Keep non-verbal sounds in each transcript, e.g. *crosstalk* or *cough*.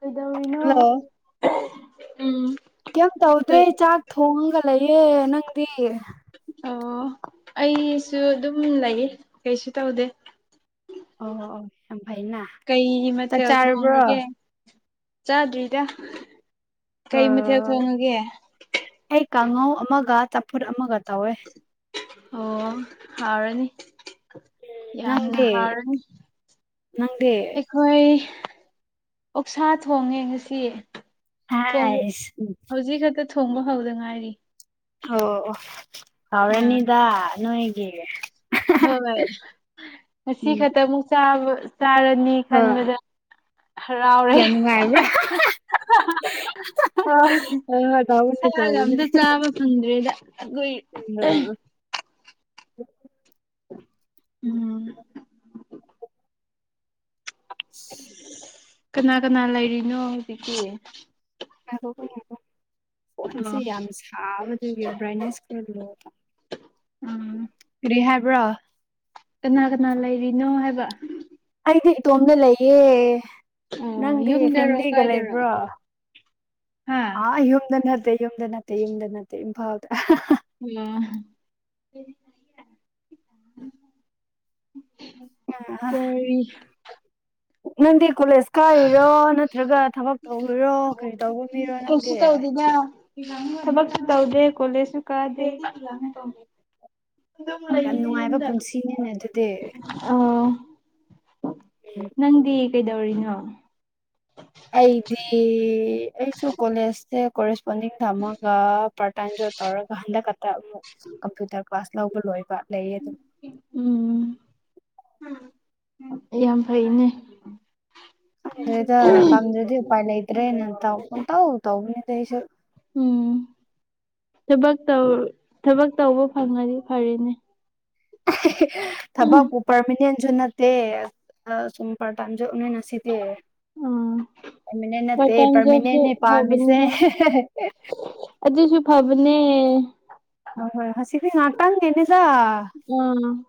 ꯀꯩꯗꯧꯔꯤꯅꯣ ꯍꯜꯂꯣ ꯎꯝ ꯀꯝ ꯇꯧꯗ ꯀꯩ ꯆꯥꯛ ꯊꯣꯡꯉꯒ ꯂꯩꯌꯦꯦ ꯅꯪꯗꯤ ꯑꯣ ꯑꯩꯁꯨ ꯑꯗꯨꯝ ꯂꯩ ꯀꯩꯁꯨ ꯇꯧꯗꯦ ꯑꯣ ꯑꯣ ꯌꯥꯝ ꯐꯩꯅ ꯀꯩ ꯆꯥꯛ ꯃꯊꯦꯜ ꯆꯥꯔꯕ꯭ꯔꯣ ꯊꯣꯡꯉꯒꯦ ꯆꯥꯗ꯭ꯔꯤꯗ ꯀꯩ ꯃꯊꯦꯜ ꯊꯣꯡꯉꯒꯦ ꯑꯩ ꯀꯥꯡꯉꯧ ꯑꯃꯒ ꯆꯝꯐꯨꯠ ꯑꯃꯒ ꯇꯧꯋꯦ ꯑꯣ ꯐꯔꯅꯤ ꯌꯥꯝꯅ ꯅꯪꯗꯤ ꯍꯥꯔ ꯅꯪꯗꯤ ꯍꯣꯏ ꯑꯣꯛꯁꯥ ꯊꯣꯡꯉꯦ ꯉꯁꯤ ꯊꯕ ꯍꯥꯏꯁ ꯍꯧꯖꯤꯛ ꯈꯛꯇ ꯊꯣꯡꯕ ꯍꯧꯗ ꯉꯥꯏꯔꯤ ꯑꯣ ꯍꯥꯎ ꯑꯥ ꯔꯅꯤꯗ ꯅꯣꯏꯒꯤ ꯍꯣꯏ ꯉꯁꯤ ꯎꯝ ꯈꯛꯇꯃꯨꯛ ꯆꯥꯔꯅꯤ ꯑ ꯈꯟꯕꯗ ꯔꯥꯎ ꯔꯦ ꯌꯥꯝ ꯅꯨꯡꯉꯥꯏꯕ꯭ꯔꯥ *unintelligible* ꯍꯣꯏ ꯑ ꯇꯧꯕꯅꯦ ꯁꯥꯔꯒ ꯇꯧꯕꯅꯦ ꯑꯝꯇ ꯆꯥꯕ ꯐꯪꯗ꯭ꯔꯦꯗ ꯑꯩꯈꯣꯏ ꯑ ꯎꯝ ꯀꯅꯥ ꯀꯅꯥ ꯂꯩꯔꯤꯅꯣ ꯍꯧꯖꯤꯛꯀꯤ ꯐꯣꯟꯁꯦ ꯑꯣ ꯌꯥꯝ ꯁꯥꯕꯗꯨꯒꯤ ꯕ꯭ꯔꯥꯏꯠꯅꯦꯁ ꯈꯔ ꯂꯣ ꯎꯝ ꯔꯤ ꯍꯥꯏꯕ꯭ꯔꯣ ꯀꯅꯥ ꯀꯅꯥ ꯂꯩꯔꯤꯅꯣ ꯍꯥꯏꯕ ꯑꯩꯗꯤ ꯏꯇꯣꯝꯗ ꯂꯩꯌꯦ ꯑꯣ ꯅꯪꯗꯤ ꯌꯨꯝꯗꯔꯣ ꯐꯦꯃꯤꯂꯤꯒ ꯀꯥꯏꯗꯔꯣ ꯂꯩꯕ꯭ꯔꯣ ꯑ ꯍꯥ ꯌꯣꯝꯗ ꯅꯠꯇꯦ ꯏꯣꯝꯗ ꯅꯠꯇꯦ ꯌꯝꯗ ꯅꯠꯇꯦ ꯏꯐꯗ ꯑꯣ ꯑ *unintelligible* ꯀꯔꯤ ꯅꯪꯗꯤ ꯀꯣꯂꯦꯖ ꯀꯥꯏꯔꯤꯔꯣ ꯅꯠꯇ꯭ꯔꯒ ꯊꯕꯛ ꯇꯧꯔꯣ ꯀꯔꯤ ꯇꯧꯕ ꯃꯤꯔꯣ ꯎ ꯀꯜꯁꯤ ꯅꯪꯗꯤ ꯌꯥꯝ ꯇꯧꯗꯗ ꯊꯕꯛꯁꯨ ꯇꯧꯗꯦ ꯀꯣꯂꯦꯖꯁꯨ ꯀꯥꯗꯦ ꯍ ꯃꯡꯂꯦ ꯏ ꯅꯨꯡꯉꯥꯏꯕ ꯄꯨꯟꯁꯤꯅꯤꯅꯦ ꯑꯗꯨꯗꯤ ꯑꯣ ꯅꯪꯗꯤ ꯀꯩꯗꯧꯔꯤꯅꯣ ꯑꯩꯗꯤ ꯑꯩꯁꯨ ꯀꯣꯂꯦꯖꯇꯦ ꯀꯣꯔꯦꯁꯄꯣꯟꯗꯤꯡ ꯊꯝꯃꯒ ꯄꯥꯔꯠ ꯇꯥꯏꯝ ꯖꯣꯕ ꯇꯧꯔꯒ ꯍꯟꯗꯛ ꯈꯛꯇ ꯑꯃꯨꯛ ꯀꯝꯄ꯭ꯌꯨꯇꯔ ꯀ꯭ꯂꯥꯁ ꯂꯧꯕ ꯂꯣꯏꯕ ꯂꯩꯌꯦ ꯑꯗꯨꯝ ꯎꯝ ꯌꯥꯝ ꯐꯩꯅꯦ ꯑꯗꯨ꯭ꯔꯦꯗ ꯇꯝꯗꯗꯤ ꯎꯄꯥꯏ ꯂꯩꯗ꯭ꯔꯦ ꯅ ꯇ ꯎ ꯇꯧ ꯇꯧꯕꯅꯤꯗꯩꯁ ꯎꯝ ꯊꯕ ꯊꯕꯛ ꯇꯧꯕ ꯐꯪꯉꯗꯤ ꯐꯔꯅꯦ ꯊꯕꯛꯄꯨ ꯄꯔꯃꯤꯅꯦꯟꯁꯨ ꯅ ꯁꯣ ꯄꯔ ꯇꯖ ꯎ ꯅꯁꯤꯗꯤ ꯎꯝ ꯃꯤꯅꯦ ꯅ ꯄꯥꯔꯠ ꯄꯦ ꯇꯥꯏꯝ ꯖꯣꯕꯁꯨ ꯄ꯭ꯔꯃꯤꯅꯦꯅꯦ ꯄꯥꯝꯃꯤꯁꯦ ꯐꯕꯅꯤꯍꯦ ꯑꯗꯨꯁꯨ ꯐꯕꯅꯦ ꯍ ꯍꯣꯏ ꯍꯁꯤꯗꯤ ꯉꯅꯥꯇꯪꯦꯅꯤꯗ ꯎꯝ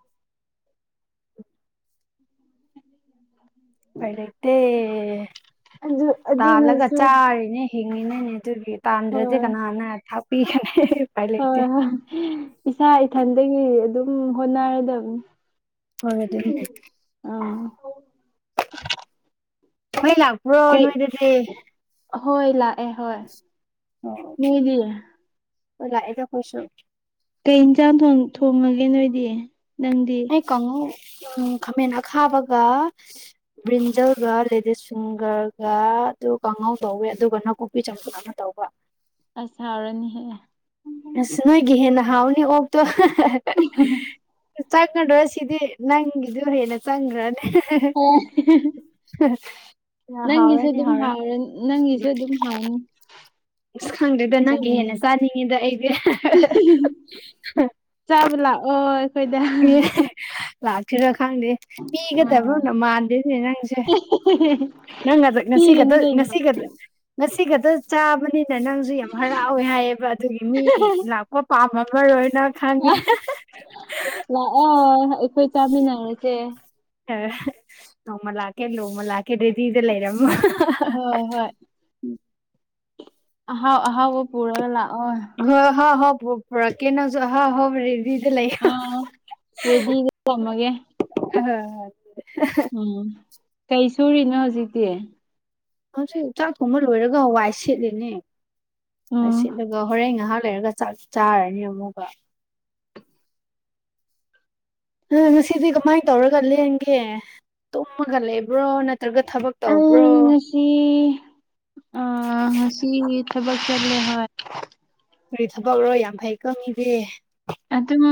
ꯎꯝ ꯄꯥꯏꯂꯛꯇꯦ ꯑꯗꯨ ꯇꯥꯜꯂꯒ ꯑꯗꯨꯅꯁꯨ ꯆꯥꯔꯤꯅꯦ ꯍꯤꯡꯉꯤꯅꯅꯦ ꯑꯗꯨꯒꯤ ꯇꯥꯟꯗ꯭ꯔꯗꯤ ꯍꯣꯏ ꯀꯅꯥꯅ ꯊꯥꯛꯄꯤꯒꯅꯤ ꯎꯄꯥꯏ ꯂꯩꯇꯦ ꯍꯣꯏ ꯍꯣꯏ ꯏꯁꯥ ꯏꯊꯟꯗꯒꯤ ꯑꯗꯨꯝ ꯍꯣꯠꯅꯔꯗꯕꯅꯤ ꯍ ꯑꯗꯨ ꯑꯝ ꯑꯩꯏ ꯂꯥꯛꯄ꯭ꯔꯣ ꯀꯩ ꯅꯣꯏꯗꯗꯤ ꯍꯣꯏ ꯂꯥꯛꯑꯦ ꯍꯣꯏ ꯅꯣꯏꯗꯤ ꯑꯣ ꯂꯥꯛꯑꯗ ꯐꯁ ꯀꯩ ꯏꯟꯁꯥꯡ ꯊꯣꯡꯉꯒꯦ ꯅꯣꯏꯗꯤ ꯅꯪꯗꯤ ꯑꯩ ꯀꯥꯡꯉꯧ ꯎ ꯈꯥꯃꯦꯟ ꯑꯈꯥꯕꯒ ꯕ꯭ꯔꯤꯟꯖꯜꯒ ꯂꯦꯗꯤꯁ ꯁꯤꯡꯒꯔꯒ ꯑꯗꯨ ꯀꯥꯡꯉꯧ ꯇꯧꯋꯦ ꯑꯗꯨꯒꯅꯀꯣ ꯆꯊ ꯑꯃ ꯇꯧꯕ ꯑꯁꯥꯎꯔꯅꯤ ꯍꯦ ꯑꯁ ꯅꯣꯏꯒꯤ ꯍꯦꯟꯅ ꯍꯥꯎꯅꯤ ꯑꯣꯞꯇꯣ ꯆꯪꯒꯗ꯭ꯔꯣ ꯁꯤꯗꯤ ꯅꯪꯒꯤꯗꯨꯣ ꯍꯦꯟꯅ ꯆꯪꯈ꯭ꯔꯅꯦ ꯑꯣ *unintelligible* ꯑ ꯅꯪꯒꯤꯁꯨ ꯍꯥꯎꯔꯅꯤ ꯑꯗꯨꯝ ꯍꯥꯎꯔꯅꯤ ꯅꯪꯒꯤꯁꯨ ꯑꯗꯨꯝ ꯍꯥꯎꯅꯤ ꯑꯁ ꯈꯪꯗꯣꯏꯗ ꯅꯪꯒꯤ ꯆꯝꯅ ꯍꯦꯟꯅ ꯆꯥꯅꯤꯡꯉꯤꯗ ꯑꯩꯁꯦ ꯆꯥꯕ ꯂꯥꯛꯑꯣ ꯑꯩꯈꯣꯏꯗ ꯑꯦ ꯂꯥꯛꯀꯔꯣ ꯈꯪꯗꯦ ꯑꯥ ꯄꯤꯒꯗꯕꯅ ꯃꯥꯟꯗꯦꯅꯦ ꯅꯪꯁꯦ ꯅꯪ ꯑꯗ ꯅ ꯁꯤꯒ ꯄꯤꯒꯅꯤ ꯅ ꯀꯩꯅꯣ ꯁꯤꯒ ꯉꯁꯤ ꯈꯛꯇ ꯆꯥꯕꯅꯤꯅ ꯅꯪꯁꯨ ꯌꯥꯝ ꯍꯔꯥꯎꯋꯦ ꯍꯥꯏꯌꯦꯕ ꯑꯗꯨꯒꯤ ꯃꯤ ꯂꯥꯛꯄ ꯑꯣ ꯄꯥꯝꯝꯕꯃꯃ ꯂꯣꯏꯅ ꯈꯪꯉꯦ ꯂꯥꯛꯑꯣ ꯑꯩꯈꯣꯏ ꯆꯥꯃꯤꯟꯅꯔꯁꯦ ꯅꯣꯡꯃ ꯂꯥꯛꯀꯦ ꯅꯣꯡꯃ ꯂꯥꯛꯀꯦ ꯔꯦꯗꯤꯗ ꯂꯩꯔꯝꯃ ꯍꯣꯏ ꯍꯣꯏ ꯑꯍꯥꯎ ꯑꯍꯥꯎꯕ ꯄꯨꯔꯒ ꯂꯥꯛꯑꯣ ꯍꯣꯏ ꯍꯥ ꯍꯣ ꯄꯨꯥ ꯀꯦ ꯅꯪ *unintelligible* ꯑꯥ ꯔꯦꯗꯤ ꯏ ꯅꯃꯦ ꯍ ꯍ *unintelligible* ꯎꯝ ꯀꯩ ꯁꯨꯔꯤꯅꯣ ꯍꯧꯖꯤꯛꯇꯤ ꯆꯥꯛ ꯊꯣꯡꯕ ꯂꯣꯏꯔꯒ ꯋꯥꯏ ꯁꯤꯠꯂꯤꯅꯦ ꯎꯝ ꯑꯁꯤ ꯑꯗꯨꯒ ꯍꯣꯔꯦꯟ ꯉꯥꯏꯍꯥꯛ ꯂꯩꯔꯒ ꯆꯥꯔꯅꯤ ꯑꯃꯨꯛꯒ ꯎ ꯉꯁꯤꯗꯤ ꯀꯃꯥꯏꯅ ꯇꯧꯔꯒ ꯂꯦꯡꯒꯦ ꯇꯨꯝꯃꯒ ꯂꯩꯕ꯭ꯔꯣ ꯅꯠꯇ꯭ꯔꯒ ꯊꯕꯛ ꯇꯧꯕ꯭ꯔꯣ ꯁꯤ ꯑ ꯁꯤ ꯊꯕꯛ ꯆꯠꯂꯦ ꯍꯣꯏ ꯀꯔꯤ ꯊꯕꯛꯔꯣ ꯌꯥꯝ ꯐꯩ ꯀꯣ ꯃꯤꯗꯤ ꯑꯗꯨꯝ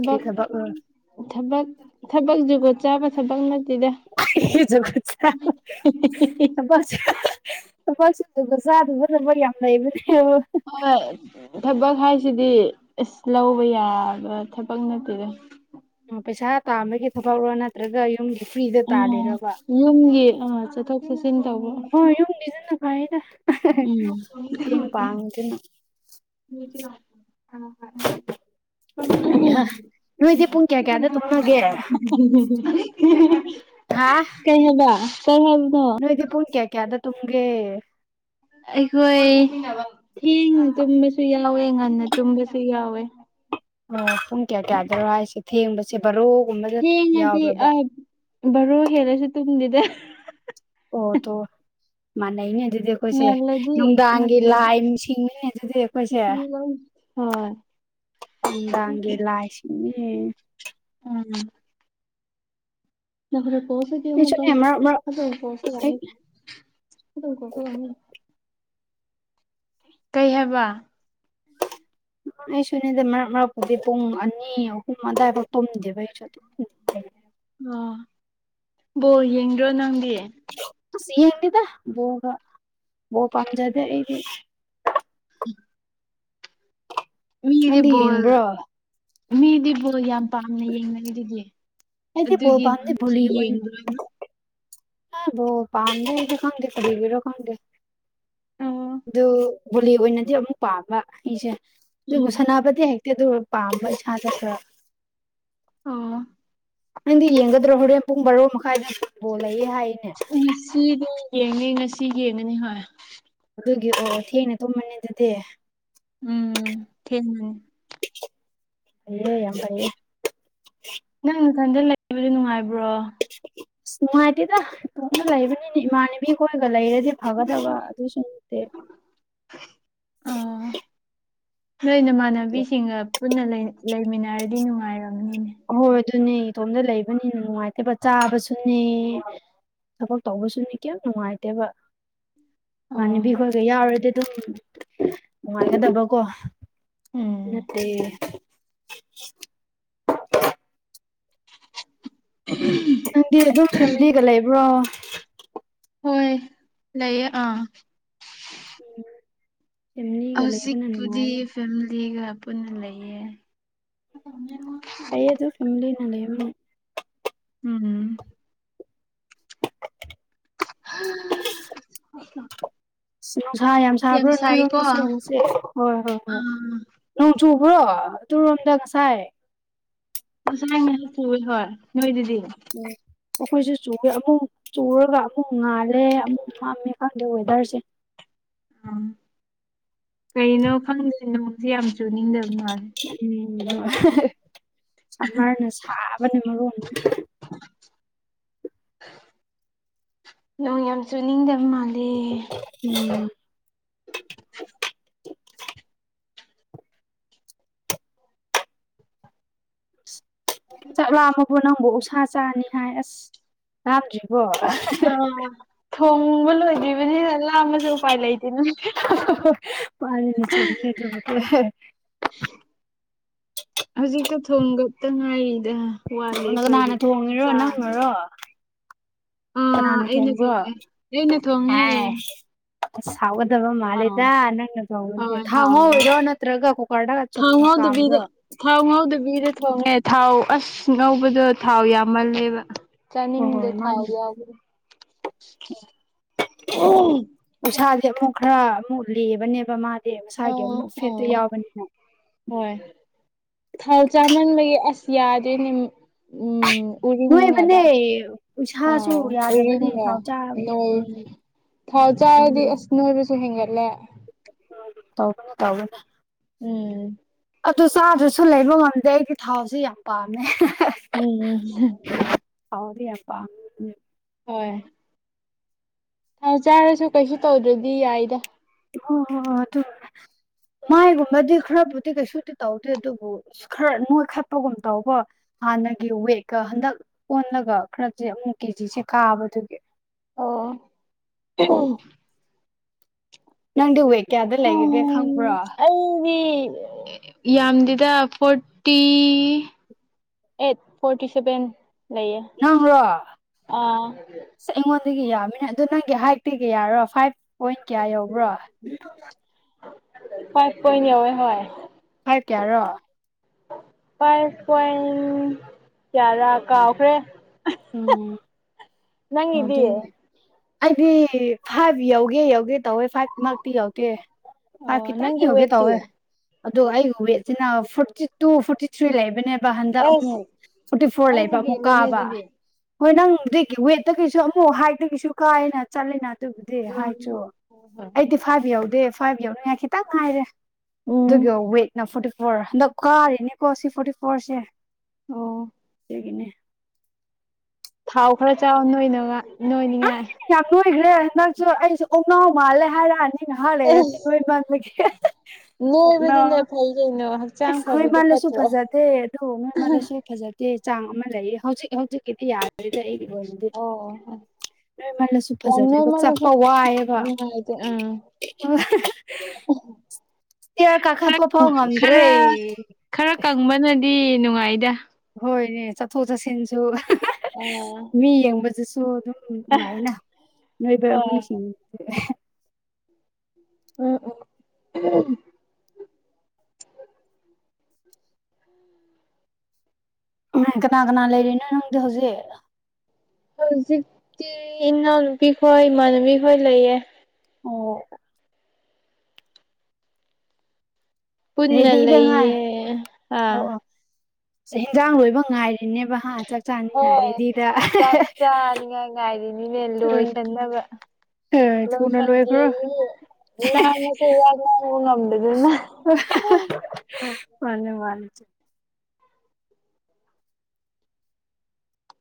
ꯀꯔꯤ ꯊꯕꯛꯔꯣ ꯊꯕꯛ ꯊꯕꯛ ꯖꯨꯒꯣ ꯆꯥꯕ ꯊꯕꯛ ꯅꯠꯇꯦꯗ *unintelligible* ꯊꯕꯛꯁꯦ *unintelligible* ꯌꯥꯝ ꯂꯩꯕꯅꯦ ꯍ ꯊꯕꯛ ꯍꯥꯏꯁꯤꯗꯤ ꯑꯁ ꯂꯧꯕ ꯌꯥꯕ ꯊꯕꯛ ꯅꯠꯇꯦꯗ ꯑꯣ ꯄꯩꯁꯥ ꯇꯥꯝꯕꯒꯤ ꯊꯕꯛꯔꯣ ꯅꯠꯇ꯭ꯔꯒ ꯌꯨꯝꯒꯤ ꯐ꯭ꯔꯤꯗ ꯎꯝ ꯇꯥꯗꯦꯔꯕ ꯌꯨꯝꯒꯤ ꯑꯥ ꯆꯠꯊꯣꯛ ꯆꯠꯁꯤꯟ ꯇꯧꯕ ꯍꯣꯏ ꯌꯨꯝꯒꯤꯗ ꯐꯩꯗ ꯎꯝ ꯃꯇꯦꯡ ꯄꯥꯡꯗꯅ ꯃꯗꯤ ꯂ *unintelligible* ꯎꯝ *unintelligible* ꯅꯣꯏꯗꯤ ꯄꯨꯡ ꯀꯌꯥ ꯀꯌꯥꯗ ꯇꯨꯝꯅꯒꯦ ꯍꯥ ꯀꯩ ꯍꯥꯏꯕ ꯀꯩ ꯍꯥꯏꯕꯅꯣ ꯅꯣꯏꯗꯤ ꯄꯨꯡ ꯀꯌꯥ ꯀꯌꯥꯗ ꯇꯨꯝꯒꯦ ꯑꯩꯈꯣꯏ ꯊꯦꯡꯅ ꯇꯨꯝꯕꯁꯨ ꯌꯥꯎꯋꯦ ꯉꯟꯅ ꯇꯨꯝꯕꯁꯨ ꯌꯥꯎꯋꯦ ꯑꯣ ꯄꯨꯡ ꯀꯌꯥ ꯀꯌꯥꯗꯧꯔꯣ ꯍꯥꯏꯁꯦ ꯊꯦꯡꯕꯁꯦ ꯕꯔꯣꯒꯨꯝꯕꯗ ꯌꯥꯎꯕ꯭ꯔꯕ ꯕꯔꯣ ꯍꯦꯜꯂꯁꯨ ꯇꯨꯝꯗꯦꯗ ꯑꯣ ꯇꯣ ꯃꯥꯅꯅꯩꯅꯦ ꯑꯗꯨꯗꯤ ꯑꯩꯈꯣꯏꯁꯦ ꯉꯜꯂꯗꯤ ꯅꯨꯡꯗꯥꯡꯒꯤ ꯂꯥꯏꯁꯤꯡꯕꯅꯦ ꯑꯗꯨꯗꯤ ꯑꯩꯈꯣꯏꯁꯦ ꯅꯨꯡꯗꯥꯡꯒꯤ ꯂꯥꯏꯁꯤꯅꯦ ꯎꯝ ꯅ ꯐꯔ ꯀꯣꯁꯤꯗꯤꯃ ꯇ ꯑꯩꯁꯨꯅꯦ ꯃꯔꯛ ꯃꯔꯛ ꯑꯗꯨ ꯑꯗꯨ ꯀꯣꯁꯨ ꯑꯩ ꯋꯥꯅꯤ ꯑꯗꯨꯗ ꯀꯣꯁꯨ ꯋꯥꯅꯤ ꯀꯩ ꯍꯥꯏꯕ ꯑꯩꯁꯨꯅꯤꯗ ꯃꯔꯛ ꯃꯔꯛꯄꯨꯗꯤ ꯄꯨꯡ ꯑꯅꯤ ꯑꯍꯨꯝ ꯑꯗꯨꯗꯥꯏꯐꯥꯎ ꯇꯨꯝꯗꯦꯕ ꯑꯩꯁꯨ ꯑꯗꯨꯝ ꯑꯣ ꯕꯣꯜ ꯌꯦꯡꯗ꯭ꯔꯣ ꯅꯪꯗꯤ ꯁꯤ ꯌꯦꯗꯦꯗ ꯕꯣꯜ ꯄꯝꯖꯗꯦ ꯑꯩꯗꯤ ꯎꯝ *unintelligible* ꯃꯤꯗꯤ ꯅꯪꯗꯤ ꯕꯣꯜ ꯌꯦꯡꯕ꯭ꯔꯣ ꯃꯤꯗꯤ ꯕꯣꯜ ꯌꯥꯝ ꯄꯥꯝꯅ ꯌꯦꯡꯅꯔꯤꯗꯨꯗꯤ ꯑꯩꯗꯤ ꯕꯣꯜ ꯑꯗꯨꯒꯤ ꯄꯥꯝꯗꯦ ꯅꯪꯁꯨ ꯕꯣꯂꯤ ꯌꯦꯡꯕ꯭ꯔꯅ ꯄꯥꯝꯗꯁꯨ ꯈꯪꯗꯦ ꯀꯔꯤꯒꯤꯔ ꯈꯪꯗꯦ ꯑꯣ ꯑꯗꯨ ꯕꯣꯂꯤ ꯑꯣꯏꯅꯗꯤ ꯑꯃꯨꯛ ꯄꯥꯝꯕ ꯑꯩꯁꯦ ꯑꯗꯨꯕꯨ ꯁꯅꯥꯄꯇꯤ ꯍꯦꯛ ꯄꯥꯝꯕ *unintelligible* ꯑꯣ ꯅꯪꯗꯤ ꯌꯦꯡꯒꯗ꯭ꯔꯣ ꯍꯣꯔꯦꯟ ꯄꯨꯡ ꯕꯥꯔꯣ ꯃꯈꯥꯏꯗ ꯐꯨꯠꯕꯣꯜ ꯂꯩꯌꯦ ꯍꯥꯏ ꯉꯁꯤꯗꯣ ꯌꯦꯡꯅꯤ ꯉꯁꯤ ꯌꯦꯡꯉꯅꯤ ꯍꯣꯏ ꯑꯗꯨꯒꯤ ꯑꯣ ꯊꯦꯡꯅ ꯇꯨꯝꯃꯅꯤ ꯑꯗꯨꯗꯤ ꯎꯝ ꯊꯦ ꯑ ꯌꯥꯝ ꯐꯩꯌꯦ ꯅꯪ ꯅꯊꯟꯗ ꯂꯩꯕꯗꯤ ꯅꯨꯡꯉꯥꯏꯕ꯭ꯔꯣ ꯅꯨꯡꯉꯥꯏꯇꯦꯗ ꯏꯇꯣꯝꯗ ꯂꯩꯕꯅꯤꯅ ꯏꯃꯥꯟꯅꯕꯤ ꯍꯣꯏꯒ ꯂꯩꯔꯗꯤ ꯐꯒꯗꯕ ꯑꯗꯨꯁꯨ ꯅꯠꯇ‌ꯦ ꯑꯣ ꯅꯣꯏ ꯅꯃꯥꯟꯅꯕꯤꯁꯤꯡꯒ ꯄꯨꯟꯅ ꯂꯩꯂꯩꯃꯤꯟꯅꯔꯗꯤ ꯅꯨꯡꯉꯥꯏꯔꯕꯅꯤꯅꯦ ꯑꯍꯣꯏ ꯑꯗꯨꯅꯦ ꯏꯇꯣꯝꯗ ꯂꯩꯕꯅꯤꯅ ꯅꯨꯡꯉꯥꯏꯇꯦꯕ ꯆꯥꯕꯁꯨꯅꯦ ꯊꯕꯛ ꯇꯧꯕꯁꯨꯅ‌ꯦ ꯀꯩꯝ ꯅꯨꯡꯉꯥꯏꯇꯦꯕ ꯑꯣ ꯏꯃꯥꯟꯅꯕꯤ ꯈꯣꯏꯒ ꯌꯥꯎꯔꯗꯤ ꯑꯗꯨꯝ ꯅꯨꯡꯉꯥꯏꯒꯗꯕꯀꯣ ꯎꯝ ꯅꯠꯇ‌ꯦ *unintelligible* ꯅꯪꯗꯤ ꯑꯗꯨꯝ ꯐꯦꯃꯤꯂꯤꯒ ꯂꯩꯕ꯭ꯔꯣ ꯍꯣꯏ ꯂꯩꯌꯦ ꯑꯥ ꯐ‌ꯦꯃꯤꯂꯤꯒ ꯂꯩꯕꯅ ꯍꯧꯖꯤꯛꯄꯨꯗꯤ ꯅꯨꯡꯉꯥꯏꯔ‌ꯦ ꯐꯦꯃꯤꯂꯤꯒ ꯄꯨꯟꯅ ꯂꯩꯌꯦ ꯐꯩꯌ‌ꯦ ꯑꯗꯨ ꯐꯦꯃꯤꯂꯤ ꯅ ꯂꯩꯕꯅꯤ ꯎꯝ ꯍꯥ *unintelligible* ꯅꯨꯡꯁꯥꯥ ꯌꯥꯝ ꯁꯥꯕ꯭ꯔꯣ ꯅꯣꯏꯔꯣꯝꯒꯤꯁꯨ ꯑꯥ ꯉꯁꯤ ꯍꯣꯏ ꯍꯣꯏ ꯍꯣꯏ ꯅꯣꯡ ꯆꯨꯕ꯭ꯔꯣ ꯗꯨꯔꯣꯝꯗ ꯉꯁꯥꯏ ꯉꯁꯥꯏ ꯉꯛꯇꯪ ꯆꯨꯋ‌ꯦ ꯍꯣꯏ ꯅꯣꯏꯗꯨꯗꯤ ꯎꯝ ꯑꯩꯈꯣꯏꯁꯨ ꯆꯨꯋ‌ꯦ ꯑꯃꯨꯛ ꯆꯨꯔꯒ ꯑꯃꯨꯛ ꯉꯥꯜꯂꯦ ꯑꯃꯨꯛ ꯃꯝꯃꯦ ꯈꯪꯗꯦ ꯋꯦꯗꯔꯁꯦ ꯑ ꯀꯩꯅꯣ ꯈꯪꯗ‌ꯦ ꯅꯣꯡꯁ‌ꯦ ꯌꯥꯝ ꯆꯨꯅꯤꯡꯗꯕꯅꯤ ꯎꯝ ꯁꯝꯃꯔꯅ ꯁꯥꯕꯅ ꯃꯔꯣꯟ ꯑꯝ ꯅꯣꯡ ꯌꯥꯝ ꯆꯨꯅꯤꯡꯗꯕ ꯃꯥꯥꯜ ꯂ‌‌ꯦ ꯎꯝ ꯆꯥꯛ ꯂꯥꯝꯃꯕ‌ꯣ ꯅꯪꯕꯨ ꯑꯣꯛꯁꯥ ꯆꯥꯅꯤ ꯍꯥꯏ ꯑꯁ ꯂꯥꯝꯗ꯭ꯔꯤꯕꯣ ꯑꯥ ꯊꯣꯡꯕ ꯂꯣꯏꯗ꯭ꯔꯤꯕꯅꯤꯅ ꯂꯥꯝꯃꯁꯨ ꯎꯄꯥꯏ ꯂꯩꯇꯦꯅ ꯍ‌ꯣꯏ ꯃꯥꯟꯅꯤꯅ‌ꯦ ꯆꯨꯝꯕꯅ‌ꯦ ꯑꯗꯨꯕꯨꯗꯤ ꯍꯧꯖꯤꯛꯇ ꯊꯣꯡꯒꯇ ꯉꯥꯏꯔꯤꯗ ꯋꯥꯠꯂꯤ ꯈ‌ꯣꯏꯗꯤ ꯀꯅꯥꯅ ꯊꯣꯡꯉꯤꯔꯣ ꯆꯥꯅ ꯅꯪꯅꯔꯣ ꯀꯅꯥꯅ ꯑꯩꯅ ꯊꯣꯡꯕ꯭ꯔꯣ ꯊꯣꯡꯉꯦ ꯑꯩꯅ ꯊꯣꯡꯉꯦ ꯑꯦꯁ ꯑꯁ ꯍꯥꯎꯒꯗꯕ ꯑꯥ ꯃꯥꯜꯂꯦꯗ ꯅꯪꯅ ꯊ‌ꯣꯡꯕꯗꯤ ꯍꯣꯏ ꯊꯥꯎ ꯍꯥꯎꯔꯅꯤ ꯉꯧꯋꯤꯔ‌ꯣ ꯅꯠꯇ꯭ꯔꯒ ꯀꯨꯀꯔ ꯗ ꯊꯥꯎ ꯆꯨꯝꯅ ꯉꯧꯗꯕꯤꯗ ꯀꯥꯝꯕ꯭ꯔ‌ꯣ ꯊꯥꯎ ꯉꯧꯗꯕꯤꯗ ꯊꯣꯡꯉꯦ ꯊꯥꯎ ꯑꯁ ꯉꯧꯕꯗꯣ ꯊꯥꯎ ꯌꯥꯝꯃꯜꯂꯦꯕ ꯍꯣꯏ ꯍꯣꯏ ꯆꯥꯅꯤꯡꯗ‌ꯦ ꯊꯥꯎ ꯃꯥꯅꯦ ꯌꯥꯎꯕꯗ‌ꯣ ꯎꯁꯥꯁ‌ꯦ ꯑꯃꯨꯛ ꯈꯔ ꯑꯃꯨꯛ ꯂꯤꯕꯅꯦꯕ ꯃꯥꯗꯤ ꯃꯁꯥꯒꯤ ꯑꯣ ꯑꯃꯨꯛ ꯐꯦꯠꯇꯨ ꯑꯣ ꯌꯥꯎꯕꯅꯤꯅ ꯍꯣꯏ ꯊꯥꯎ ꯆꯥꯃꯟꯕꯒꯤ ꯑꯁ ꯌꯥꯗ꯭ꯔ‌ꯦꯅ‌ꯦ ꯎꯝ ꯎꯔꯤꯜ ꯉꯛꯇ ꯅꯣꯏꯕꯅꯦ ꯎꯁꯥꯁꯨ ꯑꯥꯎ ꯌꯥꯗꯕꯅꯦ ꯎꯔꯤꯡꯒ ꯊꯥꯎ ꯆꯥꯔꯒ ꯅ‌ꯣꯏ ꯎꯝ ꯊꯥꯎ ꯆꯥꯔꯗꯤ ꯎꯝ ꯑꯁ ꯅꯣꯏꯕꯁꯨ ꯍꯦꯟꯒꯠꯂꯦ ꯇꯧꯕꯅ‌ꯦ ꯇꯧꯕꯅ‌ꯦ ꯎꯝ ꯑꯗꯨ ꯆꯥꯗ꯭ꯔꯁꯨ ꯂꯩꯕ ꯉꯝꯗꯦ ꯑꯩꯒꯤ ꯊꯥꯎꯁꯦ ꯌꯥꯝ ꯄꯥꯝꯃꯦ ꯎꯝ *unintelligible* ꯊꯥꯎꯗꯤ ꯌꯥꯝ ꯄꯥꯝꯃ‌ꯦ *unintelligible* ꯍꯣꯏ ꯊꯥꯎ ꯆꯥꯔꯁꯨ ꯀꯩꯁꯨ ꯇꯧꯗ꯭ꯔꯗꯤ ꯌꯥꯏꯗ ꯑꯣ ꯍꯣ ꯑꯗꯨꯕꯨꯗꯤ ꯃꯥꯏꯒꯨꯝꯕꯗꯤ ꯈꯔꯕꯨꯗꯤ ꯀꯩꯁꯨꯗꯤ ꯇꯧꯗꯔ‌ꯦ ꯑꯗꯨꯕꯨ ꯈꯔ ꯅꯣꯏ ꯈꯠꯄꯒꯨꯝ ꯇꯧꯕ ꯍꯥꯟꯅꯒꯤ ꯋꯦꯠꯀ ꯍꯟꯗꯛ ꯑꯣꯜꯂꯒ ꯈꯔꯁꯦ ꯑꯃꯨꯛ ꯀꯦꯖꯤꯁꯦ ꯀꯥꯕ ꯗꯨꯒꯤ ꯑꯣ ꯅꯪꯗꯤ ꯋꯦꯠ ꯀꯌꯥꯗ ꯂꯩꯒꯒꯦ ꯎꯝ ꯈꯪꯕ꯭ꯔꯣ ꯑꯩꯗꯤ ꯌꯥꯝꯗꯦꯗ ꯐꯣꯔꯇꯤ ꯑꯩꯠ ꯐꯣꯔꯇꯤ ꯁꯦꯚꯦꯟ ꯌꯥꯝ꯭ꯔ ꯑꯥ ꯑꯁ ꯑꯩꯉꯣꯟꯗꯒꯤ ꯌꯥꯃꯤꯅꯦ ꯑꯗꯨꯣ ꯅꯪꯒꯤ ꯍꯥꯏꯠꯇꯒꯤ ꯌꯥꯔꯣ ꯐꯥꯏꯚ ꯄꯣꯏꯟ ꯀꯌꯥ ꯌꯧꯕ꯭ꯔꯣ ꯐꯥꯏ ꯀꯣꯏꯅꯤꯋꯥꯣꯏ ꯍꯣꯏ ꯍꯥꯏ ꯀꯌꯥꯔꯣ ꯐꯥꯏꯚ ꯄꯣꯏꯟ ꯀꯌꯥꯗꯥ ꯀꯥꯎꯈ꯭ꯔꯦ꯫ ꯎꯝ ꯑꯣ ꯅꯪꯒꯤꯗꯤ ꯑꯗꯨꯗꯤ ꯑꯩꯗꯤ ꯐꯥꯏꯚ ꯌꯧꯒꯦ ꯌꯧꯒꯦ ꯇꯧꯋꯦ ꯐꯥꯏꯚ ꯃꯥꯛꯇꯤ ꯌꯥꯎꯗꯦ ꯑꯣ ꯍꯥꯏꯈꯤ ꯇꯅꯤ ꯅꯪꯒꯤ ꯌꯧꯒꯦ ꯋꯦꯠꯇꯤ ꯇꯧꯋꯦ꯫ ꯑ ꯑꯩꯒꯤ ꯋꯦꯠꯁꯤꯅ ꯐꯣꯔꯇꯤ ꯇꯨ ꯐꯣꯔꯇꯤ ꯊ꯭ꯔꯤ ꯂꯩꯕꯅꯦ꯫ ꯍꯟꯗꯛ ꯑꯦꯁ ꯑꯃꯨꯛ ꯐꯣꯔꯇꯤ ꯐꯣꯔ ꯑꯩꯅ ꯂꯩꯕ ꯑꯃꯨꯛ ꯍꯦꯜꯂꯤꯅꯦ ꯀꯥꯕ ꯑꯗꯨꯗꯤ ꯍꯣꯏ ꯅꯪ ꯋ ꯑ ꯇ ꯀꯁꯨ ꯑꯃꯨꯛ ꯍꯥꯏꯒꯤꯁꯨ ꯀꯥꯏꯦꯅ ꯆꯠꯂꯤꯦꯅ ꯑꯗꯨꯕꯨꯗꯤ ꯍꯥꯏꯁꯨ ꯑꯩꯗꯤ ꯐꯥꯏꯚ ꯌꯧꯗꯦ ꯐꯥꯏꯚ ꯌꯧꯅꯤꯡꯉꯥꯏ ꯈꯤꯇꯪ ꯉꯥꯏꯔꯦ ꯎꯝ ꯑꯗꯨꯒꯤ ꯋꯦꯠꯅ ꯐꯣꯔꯇꯤ ꯐꯣꯔ ꯍꯟꯗꯛ ꯀꯥ ꯏꯅꯤ ꯀꯣꯁꯤ ꯐꯣꯔꯇꯤ ꯐꯣꯔꯁꯦ꯫ ꯑꯣ ꯏꯗꯒꯤꯅꯦ꯫ ꯊꯥꯎ ꯈꯔ ꯆꯥꯎ ꯅꯣꯏꯅꯤꯡꯉꯥꯏ꯫ ꯌꯥꯝ ꯂꯨꯈ꯭ꯔꯦ ꯅꯪꯁꯨ ꯑꯩꯁꯨ ꯑꯣꯝ ꯅꯧ ꯃꯥꯜꯂꯦ ꯍꯥꯏꯔꯛꯑꯅꯤ꯫ ꯑꯩ ꯅꯍꯥ ꯑꯦ ꯂꯩꯔꯗꯤ ꯅꯣꯏ ꯏꯃꯥꯟꯒꯦ ꯀꯣꯛꯅ꯫ ꯍꯩꯒꯅꯣ꯫ ꯑꯁ ꯅꯣꯏ ꯃꯥꯜꯂꯁꯨ ꯐꯖꯗꯦ ꯑꯗꯨ ꯅꯣꯏ ꯃꯥꯜꯂꯦꯁꯨ ꯍ ꯐꯖꯗꯦ꯫ ꯆꯥꯡ ꯑꯃ ꯂꯩꯌꯦ ꯍꯧꯖꯤꯛ ꯍꯧꯖꯤꯛꯀꯤꯗꯤ ꯌꯥꯗꯣꯏꯗꯤ ꯑꯩ ꯑꯣ ꯅꯣꯏꯃꯜꯂꯁꯨ ꯐꯖꯗꯦꯕ ꯆꯠꯄ ꯋꯥꯏꯑꯕ ꯅꯨꯡꯉꯥꯏꯇꯦ ꯑꯥ ꯏ ꯀꯈꯥ ꯄ ꯐꯥꯎ ꯃꯗ꯭ꯔꯦ꯫ ꯈꯔ ꯈꯔ ꯀꯪꯕꯅꯗꯤ ꯅꯨꯡꯉꯥꯏꯗ ꯍꯣꯏꯅꯦ ꯆꯠꯊꯣꯛ ꯆꯠꯁꯤꯟꯁꯨ ꯑꯣ ꯃꯤ ꯌꯦꯡꯕꯗꯨꯁꯨ ꯑꯗꯨꯝ ꯅꯨꯡꯉꯥꯏꯅ ꯅꯣꯏꯕ ꯍꯣꯏ ꯃꯤꯁꯤꯡꯁ ꯎꯝ ꯎꯝ ꯎꯝ ꯎꯝ ꯀꯅꯥ ꯀꯅꯥ ꯂꯩꯔꯤꯅꯣ ꯅꯪꯗꯤ ꯍꯧꯖꯤꯛ ꯍꯧꯖꯤꯛꯇꯤ ꯏꯅꯥꯎꯅꯨꯄꯤ ꯈꯣꯏ ꯏꯃꯥꯟꯅꯕꯤ ꯈꯣꯏ ꯂꯩꯌꯦ꯫ ꯑꯣ ꯄꯨꯟꯅ ꯂꯩꯌꯦ ꯍꯥꯥ ꯌꯦꯟꯁꯥꯡ ꯂꯣꯏꯕ ꯉꯥꯏꯔꯤꯅꯦꯕ ꯍꯥ ꯆꯥꯛ ꯆꯥꯅꯤ ꯍꯣꯏ ꯉꯥꯏꯔꯦꯗꯤꯗ꯫ ꯥꯉꯥꯏꯔꯤꯅꯤꯅꯦ ꯂꯣꯏꯁꯤꯅꯕꯥ ꯆꯟꯕ ꯑ, ꯊꯨꯅ ꯁꯗꯤ ꯂꯣꯏꯈ꯭ꯔꯣ ꯂ ꯉꯁ ꯌꯥ ꯉ ꯃꯅꯦ ꯃꯥꯅꯤ꯫